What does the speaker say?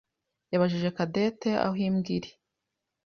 yabajije Cadette aho imbwa iri.